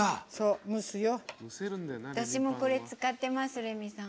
私もこれ使ってますレミさん。